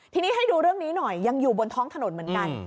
ทีนี้ให้ดูเรื่องนี้หน่อยยังอยู่บนท้องถนนเหมือนกัน